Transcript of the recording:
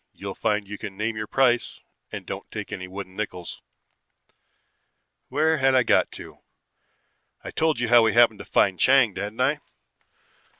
You'll find you can name your price and don't take any wooden nickels. "Where had I got to? I'd told you how we happened to find Chang, hadn't I?